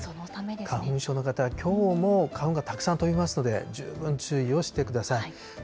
花粉症の方、きょうも花粉がたくさん飛びますので、十分注意をしてください。